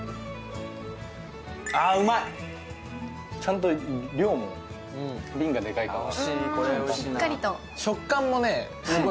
ちゃんと量も、瓶がでかいから。